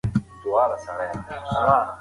د دولتي مامورينو حساب اخيستل يې عادي کار و.